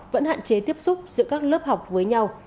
vẫn hạn chế tiếp xúc giữa các lớp học với nhau